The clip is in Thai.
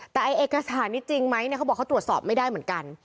แต่เอกสารนี้จริงไหมเขาบอกเขาตรวจสอบไม่ได้เหมือนกัน